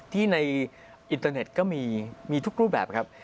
ที่ในอินเตอร์เน็ตก็มีทุกรูปแบบครับ